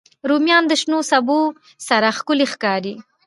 رومیان د شنو سبو سره ښکلي ښکاري